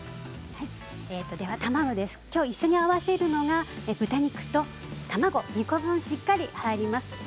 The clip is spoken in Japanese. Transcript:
一緒に合わせるのは豚肉と卵２個分しっかり入ります。